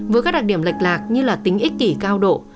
với các đặc điểm lệch lạc như là tính ích kỷ cao độ